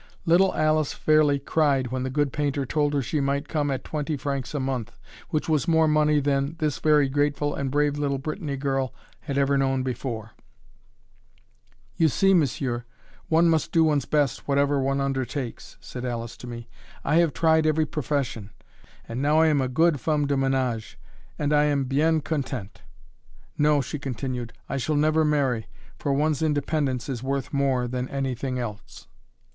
Little Alice fairly cried when the good painter told her she might come at twenty francs a month, which was more money than this very grateful and brave little Brittany girl had ever known before. [Illustration: (brocanteur shop front)] "You see, monsieur, one must do one's best whatever one undertakes," said Alice to me; "I have tried every profession, and now I am a good femme de ménage, and I am 'bien contente.' No," she continued, "I shall never marry, for one's independence is worth more than anything else.